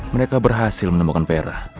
mereka berhasil menemukan vera